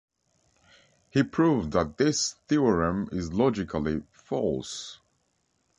He proves that this theorem is logically false.